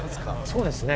そうですね